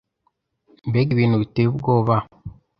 Mbega ibintu biteye ubwoba!